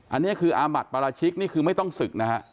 อันนี้คืออาบัตรปราชิกไม่ต้องศึก